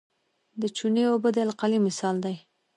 د چونې اوبه د القلي مثال دی.